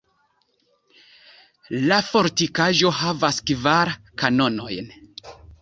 La fortikaĵo havas kvar kanonojn.